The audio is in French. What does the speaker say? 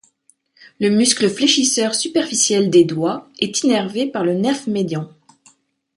Le muscle fléchisseur superficiel des doigts est innervé par le nerf médian.